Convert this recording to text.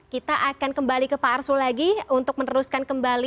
kita akan kembali ke pak arsul lagi untuk meneruskan kembali